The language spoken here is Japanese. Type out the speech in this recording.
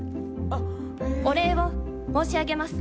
お礼を申し上げます。